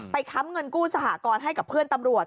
ค้ำเงินกู้สหกรณ์ให้กับเพื่อนตำรวจ